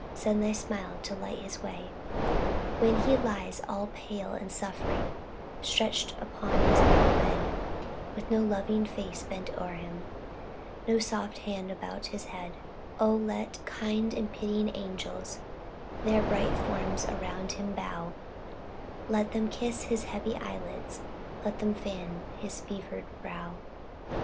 Send thy smile to light his way. When he lies, all pale, and suffering, Stretched upon his narrow bed, With no loving face bent o'er him, No soft hand about his head, O, let kind and pitying angels, Their bright forms around him bow; Let them kiss his heavy eyelids, Let them fan his fevered brow.